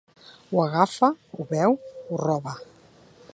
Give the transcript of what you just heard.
Ho agafa, ho beu, ho roba.